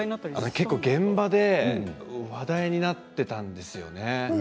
結構、現場で話題になっていたんですよね。